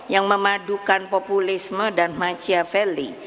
yang memadukan populisme dan machiavelli